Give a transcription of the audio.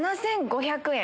７５００円。